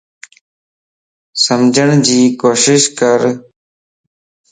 سمجھڙ جي ڪوشش ڪر